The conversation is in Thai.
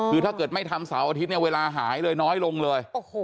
คือถ้าเกิดไม่ทำเสาร์อาทิตย์เนี่ยเวลาหายเลยน้อยลงเลย